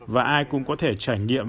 và ai cũng có thể trải nghiệm